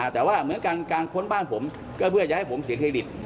แต่ว่าเหมือนการค้นบ้านผมก็เพื่อจะให้ผมเสียเครดิต